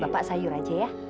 bapak sayur aja ya